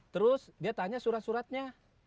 terus dia tanya surat suratnya